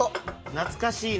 懐かしいな。